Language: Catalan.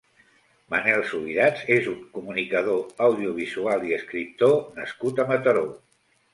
Manel Subirats és un comunicador audiovisual i escriptor nascut a Mataró.